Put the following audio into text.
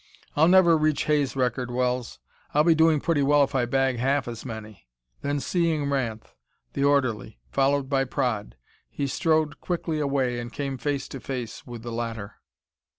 "I'll never reach Hay's record, Wells. I'll be doing pretty well if I bag half as many!" Then, seeing Ranth, the orderly, followed by Praed, he strode quickly away and came face to face with the latter.